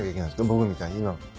僕みたいに今。